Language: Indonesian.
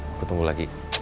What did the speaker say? aku tunggu lagi